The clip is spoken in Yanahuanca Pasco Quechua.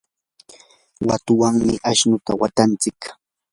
watuwanmi ashnuta watantsik.